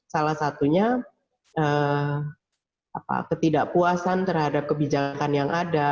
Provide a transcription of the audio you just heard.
salah satunya ketidakpuasan terhadap kebijakan yang ada